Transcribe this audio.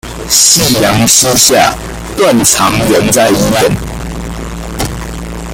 夕陽西下，斷腸人在醫院